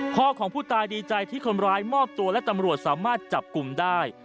ของผู้ตายดีใจที่คนร้ายมอบตัวและตำรวจสามารถจับกลุ่มได้